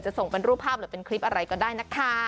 ส่งเป็นรูปภาพหรือเป็นคลิปอะไรก็ได้นะคะ